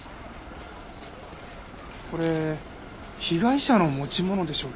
これ被害者の持ち物でしょうか？